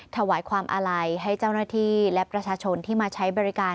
ถวายความอาลัยให้เจ้าหน้าที่และประชาชนที่มาใช้บริการ